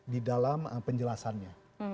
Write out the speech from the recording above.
di dalam penjelasannya